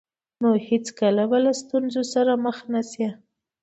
نو هېڅکله به له ستونزو سره مخ نه شئ.